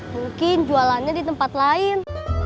mungkin jualannya di tempat lain